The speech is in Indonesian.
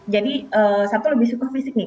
jadi satu lebih suka fisik nih